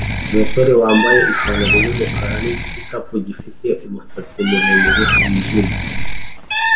umusore wambaye ipantaro yumukara nigikapu gifite umusatsi muremure wijimye